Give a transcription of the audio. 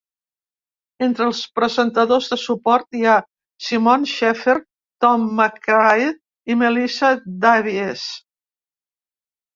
Entre els presentadors de suport hi ha Simon Shepherd, Tom McRae i Melissa Davies.